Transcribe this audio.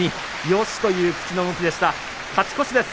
よしっという口の動きです。